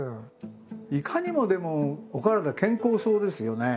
いかにもでもお体健康そうですよね。